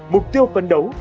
mục tiêu phân đấu